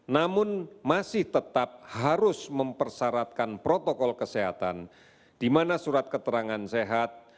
namun masih tetap harus mempersyaratkan protokol kesehatan di mana surat keterangan sehat